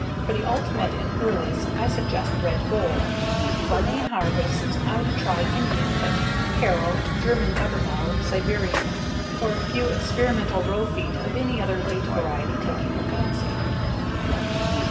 For the ultimate in earlies I suggest Red Gold. For main harvests I'd try Indian Pit, Carole, German Butterball, Siberian, or a few experimental row feet of any other late variety taking your fancy.